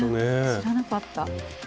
知らなかった。